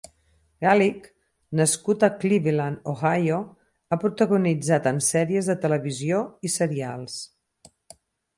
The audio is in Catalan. Galik, nascut a Cleveland (Ohio), ha protagonitzat en sèries de televisió i serials.